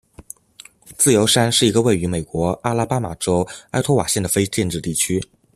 自由山是一个位于美国阿拉巴马州埃托瓦县的非建制地区。